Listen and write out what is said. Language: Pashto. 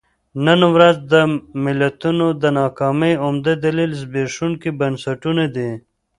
نن ورځ د ملتونو د ناکامۍ عمده دلیل زبېښونکي بنسټونه دي.